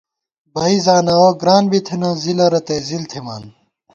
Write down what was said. بئ زناوَہ گران بی تھنہ، ځِلہ رتئ ځِل تھِمان